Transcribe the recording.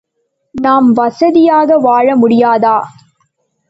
நாம் வசதியாக வாழ முடியாதா?